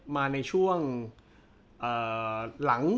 มาในช่วงหลัง